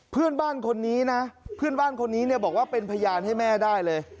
เพื่อนบ้านคนนี้นะบอกว่าเป็นพยานให้แม่ได้เลย